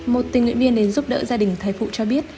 một tình nguyện viên đến giúp đỡ gia đình thai phụ cho biết